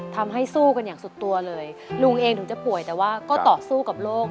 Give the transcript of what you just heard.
สู้กันอย่างสุดตัวเลยลุงเองถึงจะป่วยแต่ว่าก็ต่อสู้กับโรค